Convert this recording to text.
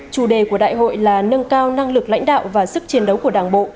chủ đề của đại hội là nâng cao năng lực lãnh đạo và sức chiến đấu của đảng bộ